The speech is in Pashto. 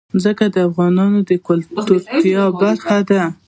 ځمکه د افغانانو د ګټورتیا برخه ده.